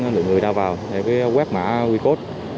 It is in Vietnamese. lượng người đa vào để quét mã quy cốt